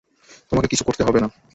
তোমাকে কিছু করতে হবে না।